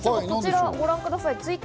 こちらをご覧ください。